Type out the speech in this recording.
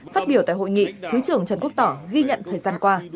phát biểu tại hội nghị thứ trưởng trần quốc tỏ ghi nhận thời gian qua